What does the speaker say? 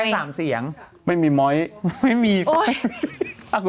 แต่อันนี้อ่านว่ามีคำว่าม้าค่ะ